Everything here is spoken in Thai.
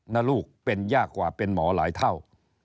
ลูกเป็นยากกว่าเป็นหมอหลายเท่า